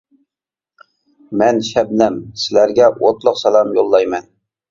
مەن «شەبنەم» سىلەرگە ئوتلۇق سالام يوللايمەن!